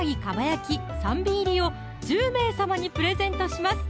蒲焼き３尾入を１０名様にプレゼントします